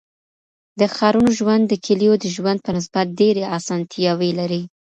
د ښارونو ژوند د کليو د ژوند په نسبت ډيري اسانتياوي لري.